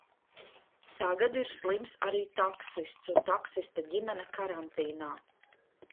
Tagad ir slims arī taksists un taksista ģimene karantīnā.